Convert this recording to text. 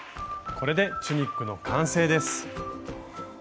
これでチュニックの完成です。